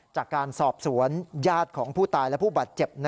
จากการสอบสวนญาติของผู้ตายและผู้บาดเจ็บ